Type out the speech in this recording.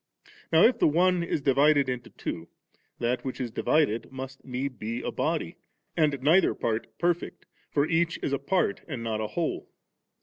Now if the one is divided into two, that which is divided must need be a body, and neither part perfect, for each is a part and not a whole.